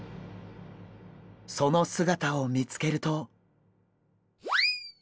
その姿を見つけると。